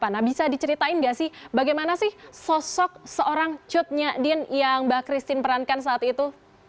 nah bisa diceritain gak sih bagaimana sih sosok seorang cut nyadin yang mbak christine perankan saat itu